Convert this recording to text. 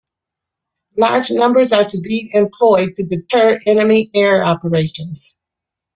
Large numbers are to be employed to deter enemy air operations.